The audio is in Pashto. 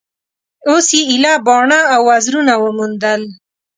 اوس یې ایله باڼه او وزرونه وموندل